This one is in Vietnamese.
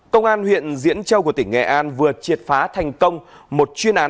công an huyện diễn châu của tỉnh nghệ an vừa triệt phá thành công một chuyên án